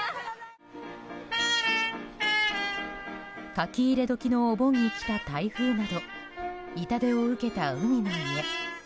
書き入れ時のお盆に来た台風など、痛手を受けた海の家。